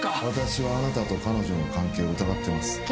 私はあなたと彼女の関係を疑ってます